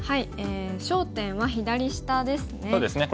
焦点は左下ですね。